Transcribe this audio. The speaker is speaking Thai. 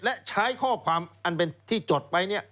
และใช้ข้อความอันเป็นที่จดไป